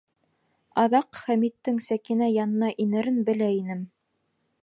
Аҙаҡ Хәмиттең Сәкинә янына инерен белә инем.